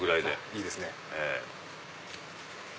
いいですね。